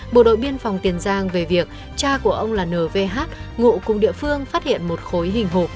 bộ đội biên phòng tiền giang về việc cha của ông là n v h ngụ cùng địa phương phát hiện một khối hình hộp